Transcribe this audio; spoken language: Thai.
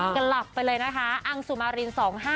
กลับไปเลยนะคะอังสุมาริน๒๕๖